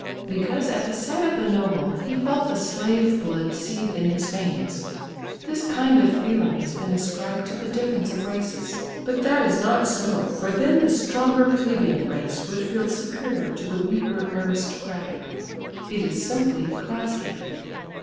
Because at the sight of the noble, he felt the slave blood seethe in his veins. This kind of feeling has been ascribed to the difference of races. But that is not so, for then the stronger plebeian race would feel superior to the weaker aristocratic. It is simply class hatred.